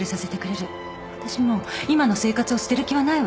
私も今の生活を捨てる気はないわ。